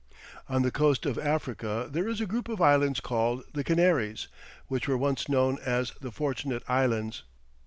] On the coast of Africa there is a group of islands called the Canaries, which were once known as the Fortunate Islands.